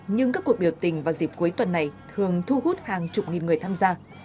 nhưng các cuộc biểu tình vào dịp cuối tuần này thường thu hút hàng chục nghìn người tham gia